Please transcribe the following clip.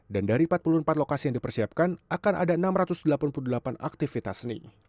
dan dari empat puluh empat lokasi yang dipersiapkan akan ada enam ratus delapan puluh delapan aktivitas seni